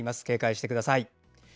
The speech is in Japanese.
警戒してください。